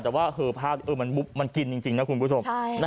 แต่ว่าเหอภาพมันกินจริงนะคุณผู้ชม